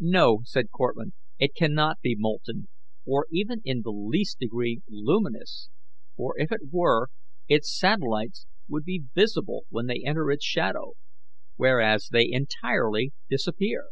"No, said Cortlandt, "it cannot be molten, or even in the least degree luminous, for, if it were, its satellites would be visible when they enter its shadow, whereas they entirely disappear."